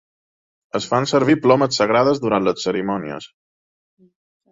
Es fan servir plomes sagrades durant les cerimònies.